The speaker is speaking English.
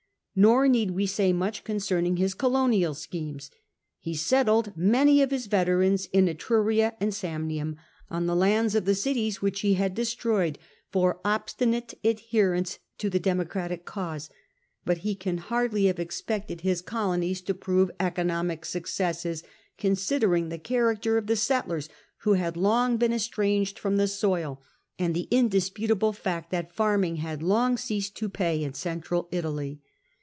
Nor need we say much concerning his colonial schemes: he settled many of his veterans in Etruria and Samnium, on the lands of the cities which he had destroyed for obstinate adherence to the Democratic cause. But he can hardly have expected his colonies to SULLA 156 prove economic successes, considering the character of the settlers, who had long been estranged from the soil, and the indisputable fact that farming had long ceased to pay in Central Italy.